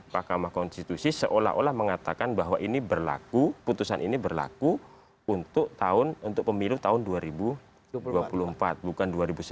mahkamah konstitusi seolah olah mengatakan bahwa ini berlaku putusan ini berlaku untuk pemilu tahun dua ribu dua puluh empat bukan dua ribu sembilan belas